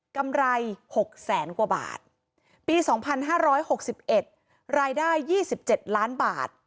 กำไรหกแสนกว่าบาทปีสองพันห้าร้อยหกสิบเอ็ดรายได้ยี่สิบเจ็ดล้านบาท